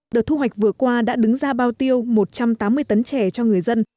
đợt thu hoạch vừa qua đã đứng ra bao tiêu một trăm tám mươi tấn chè cho người dân